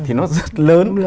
thì nó rất lớn